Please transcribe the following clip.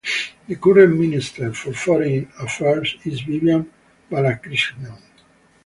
The current Minister for Foreign Affairs is Vivian Balakrishnan.